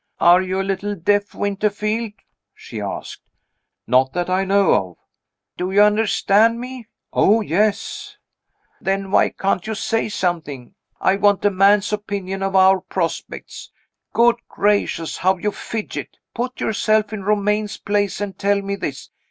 "Are you a little deaf, Winterfield?" she asked. "Not that I know of." "Do you understand me?" "Oh, yes." "Then why can't you say something? I want a man's opinion of our prospects. Good gracious, how you fidget! Put yourself in Romayne's place, and tell me this.